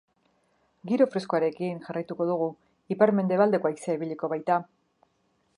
Giro freskoarekin jarraituko dugu, ipar-mendebaldeko haizea ibiliko baita.